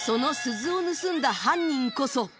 その鈴を盗んだ犯人こそ。